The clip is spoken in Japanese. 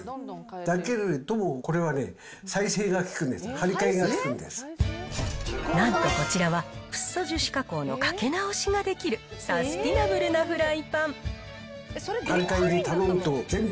だけれども、これはね、再生がきくんですよ、なんとこちらは、フッ素樹脂加工のかけ直しができる、サスティナブルなフライパン。